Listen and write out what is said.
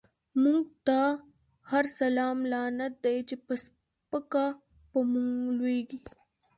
مونږ ته هر سلام لعنت دۍ، چی په سپکه په مونږ لویږی